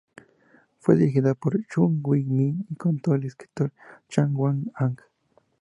Fue dirigida por Chu Yui-bin y contó con el escritor Zhang Yuan-ang.